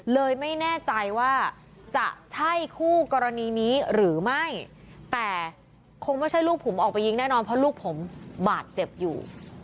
เลยไม่แน่ใจว่าจะใช่คู่กรณีนี้หรือไม่แต่คงไม่ใช่ลูกผมออกไปยิงแน่นอนเพราะลูกผมบาดเจ็บอยู่